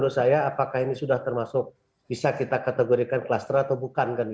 saya apakah ini sudah termasuk bisa kita kategorikan kluster atau bukan